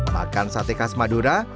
makan sate khas madura